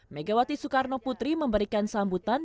megawati soekarno putri memberikan sambutan